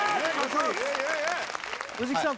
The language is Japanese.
藤木さん